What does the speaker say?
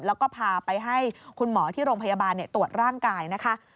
แล้วก็พาไปให้คุณหมอที่โรงพยาบาลตรวจร่างกายนะคะ